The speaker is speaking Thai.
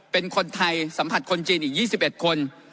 เป็นคนไทยสัมผัสคนจีนอีก๒๑คน